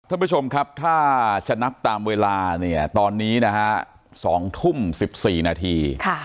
ท่านผู้ชมครับถ้าจะนับตามเวลาเนี่ยตอนนี้นะฮะ๒ทุ่ม๑๔นาที